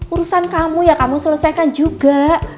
urusan kamu ya kamu selesaikan juga